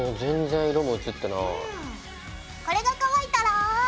これが乾いたら。